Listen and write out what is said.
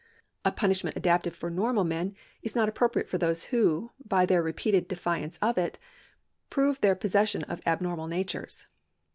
A punishment adapted for normal men is not appropriate for those who, by their repeated defiance of it, prove their possession of abnormal natures.